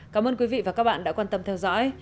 cảm ơn quý vị và các bạn đã quan tâm theo dõi